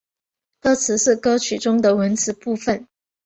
歌词是歌曲中的文词部分。